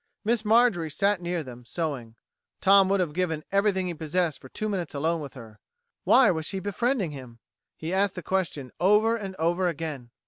Miss Marjorie sat near them, sewing. Tom would have given everything he possessed for two minutes alone with her. Why was she befriending him? He asked the question over and over again.